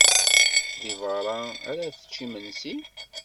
Deg beṛṛa ara tečč imensi?